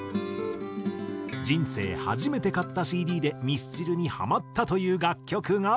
人生初めて買ったＣＤでミスチルにハマったという楽曲が。